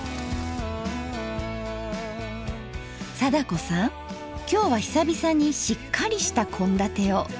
貞子さん今日は久々にしっかりした献立を。